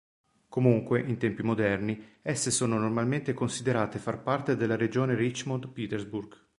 Comunque, in tempi moderni, esse sono normalmente considerate far parte della regione "Richmond-Petersburg".